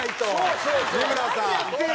三村さん！